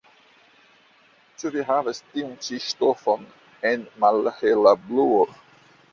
Ĉu vi havas tiun ĉi ŝtofon en malhela bluo?